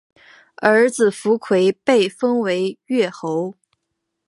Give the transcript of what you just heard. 儿子苻馗被封为越侯。